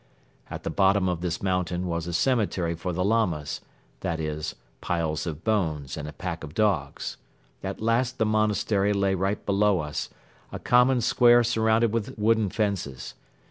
At the bottom of this mountain was a cemetery for the Lamas, that is, piles of bones and a pack of dogs. At last the monastery lay right below us, a common square surrounded with wooden fences.